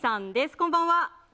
こんばんは。